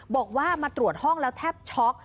บอกว่ามาตรวจห้องแล้วแทบช็อก